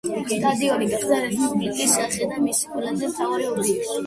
სტადიონი გახდა რესპუბლიკის სახე და მისი ყველაზე მთავარი ობიექტი.